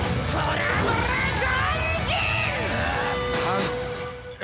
ハウス。